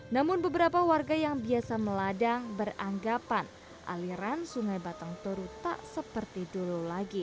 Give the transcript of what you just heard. namun beberapa warga yang biasa meladang beranggapan aliran sungai batang toru tak seperti dulu lagi